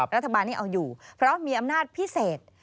รัฐบาลนี้เอาอยู่เพราะมีอำนาจพิเศษ